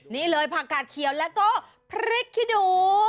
นี่เลยผักกาดเขียวแล้วก็พริกขี้หนู